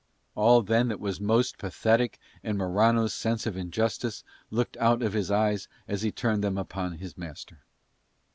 All then that was most pathetic in Morano's sense of injustice looked out of his eyes as he turned them upon his master.